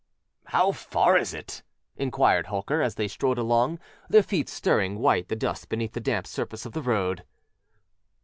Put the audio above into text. âHow far is it?â inquired Holker, as they strode along, their feet stirring white the dust beneath the damp surface of the road.